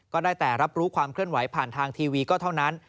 ก็ได้แต่รับรู้ความเคลื่อนไหวผ่านทางทีวีก็เท่านั้น